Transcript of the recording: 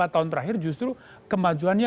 lima tahun terakhir justru kemajuannya